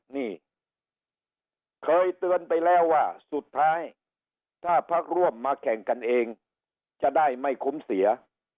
นี่เคยเตือนไปแล้วว่าสุดท้ายถ้าพักร่วมมาแข่งกันเองจะได้ไม่คุ้มเสีย